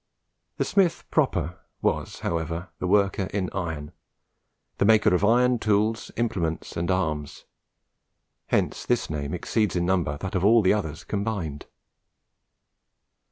The Smith proper was, however, the worker in iron the maker of iron tools, implements, and arms and hence this name exceeds in number that of all the others combined.